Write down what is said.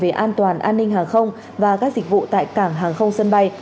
về an toàn an ninh hàng không và các dịch vụ tại cảng hàng không sân bay